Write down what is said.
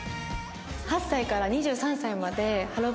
８歳から２３歳までハロー！